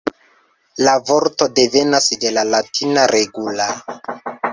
La vorto devenas de la latina "regula".